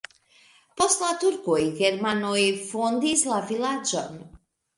Post la turkoj germanoj fondis la vilaĝon.